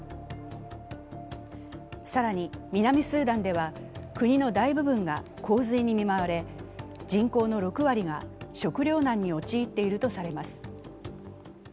更に南スーダンでは国の大部分が洪水に見舞われ人口の６割が食糧難に陥っているとされます。